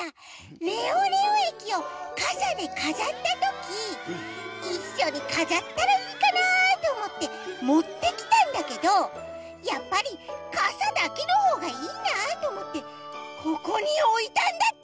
レオレオえきをかさでかざったときいっしょにかざったらいいかなとおもってもってきたんだけどやっぱりかさだけのほうがいいなとおもってここにおいたんだった！